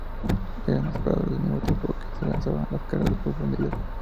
Eran disparados al mismo tiempo que se lanzaban las cargas de profundidad.